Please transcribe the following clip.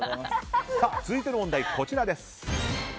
続いての問題はこちら。